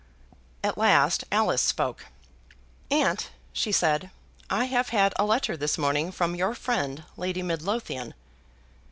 At last Alice spoke. "Aunt," she said, "I have had a letter this morning from your friend, Lady Midlothian."